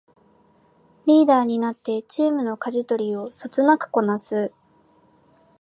リーダーになってチームのかじ取りをそつなくこなす